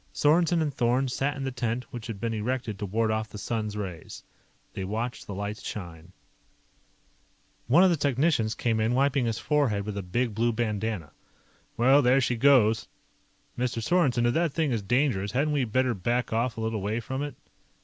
Sorensen and Thorn sat in the tent which had been erected to ward off the sun's rays. They watched the lights shine. One of the technicians came in, wiping his forehead with a big blue bandana. "Well, there she goes. Mr. Sorensen, if that thing is dangerous, hadn't we better back off a little way from it?"